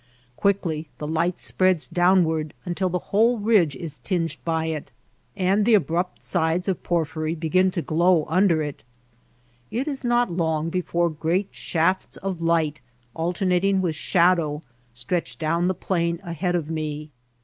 Quickly the light spreads downward until the whole ridge is tinged by it, and the abrupt sides of porphyry begin to glow under it. It is not long before great shafts of light alternating with shadow stretch down the plain ahead of me.